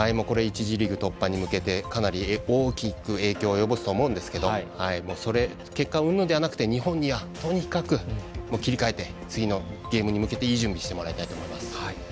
１次リーグ突破に向けて大きく影響を及ぼすと思うんですけど結果うんぬんじゃなくて日本には、とにかく切り替えて次に向けていい準備してもらいたいと思います。